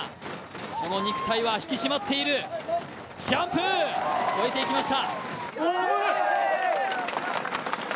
その肉体は引き締まっている、ジャンプ、越えていきました。